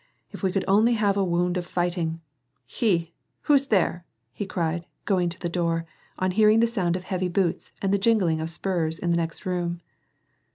If we could only have a wound of fighting !— He ! who's there ?" he cried, going to the door, on hearing the sound of heavy boots and the jingling of spurs in the next room.